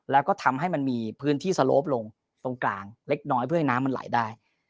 แล้วก็ทำให้มันมีพื้นที่สโลปลงตรงกลางเล็กน้อยเพื่อให้น้ำมันไหลได้